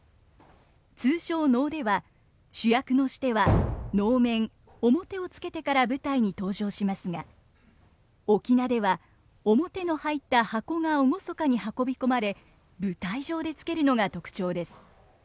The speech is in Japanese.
通常能では主役のシテは能面面をつけてから舞台に登場しますが「翁」では面の入った箱が厳かに運び込まれ舞台上でつけるのが特徴です。